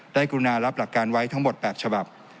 กรุณารับหลักการไว้ทั้งหมด๘ฉบับ